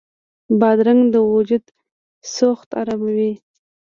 بادرنګ د وجود سوخت اراموي.